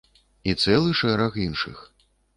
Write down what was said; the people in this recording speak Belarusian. І цэлы шэраг іншых.